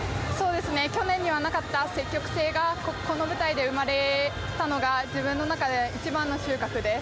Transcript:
去年にはなかった積極性がこの舞台で生まれたのが自分の中で一番の収穫です。